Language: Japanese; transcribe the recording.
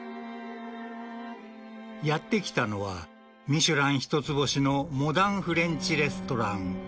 ［やって来たのはミシュラン一つ星のモダンフレンチレストラン］